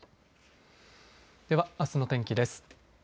では、あすの天気です。